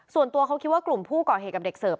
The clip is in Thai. ส่วนตัวเขาคิดว่ากลุ่มผู้ก่อเหตุกับเด็กเสิร์ฟ